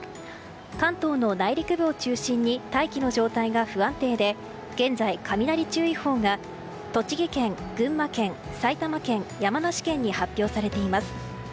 関東の内陸部を中心に大気の状態が不安定で現在、雷注意報が栃木県群馬県、埼玉県、山梨県に発表されています。